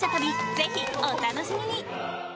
ぜひ、お楽しみに！